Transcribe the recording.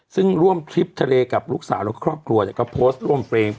ซึ่งร่วมทริปทะเลกับลูกสาวและครอบครัวก็โพสต์ร่วมเพลง